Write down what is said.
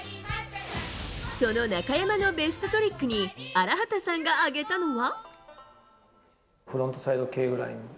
その中山のベストトリックに荒畑さんが挙げたのは。